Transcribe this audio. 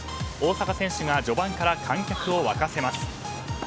大坂選手が序盤から観客を沸かせます。